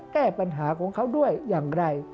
แก้ปัญหาของเขาด้วยอย่างไร